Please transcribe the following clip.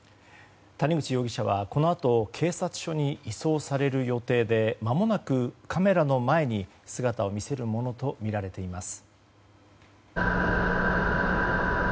谷口容疑者はこのあと警察署に移送される予定でまもなくカメラの前に姿を見せるものとみられています。